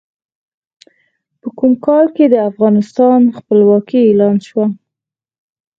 په کوم کال کې د افغانستان خپلواکي اعلان شوه؟